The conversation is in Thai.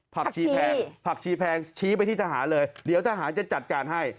ผักชีแพงผักชีแพงชี้ไปที่ทหารเลยเดี๋ยวทหารจะจัดการให้